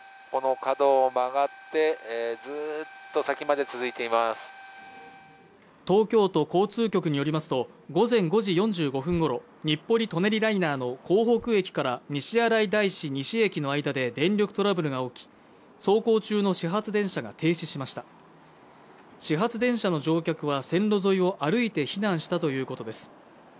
この角を曲がってずっと先まで続いています東京都交通局によりますと午前５時４５分ごろ日暮里・舎人ライナーの江北駅から西新井大師西駅の間で電力トラブルが起き走行中の始発電車が停止しました始発電車の乗客は線路沿いを歩いて避難したということです